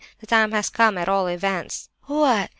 The time has come, at all events. What!